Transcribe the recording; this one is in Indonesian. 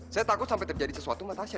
saya takut sampai terjadi sesuatu sama tasya